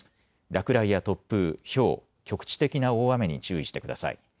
落雷や突風、ひょう、局地的な大雨に注意してください。